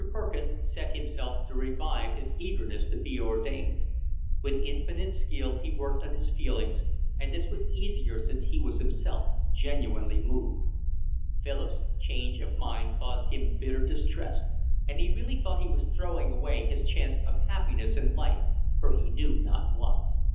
Perkins set himself to revive his eagerness to be ordained. With infinite skill he worked on his feelings, and this was easier since he was himself genuinely moved. Philip's change of mind caused him bitter distress, and he really thought he was throwing away his chance of happiness in life for he knew not what.